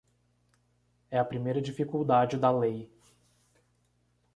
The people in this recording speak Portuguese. É a primeira dificuldade da lei.